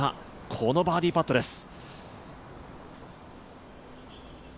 このバーディーパットです。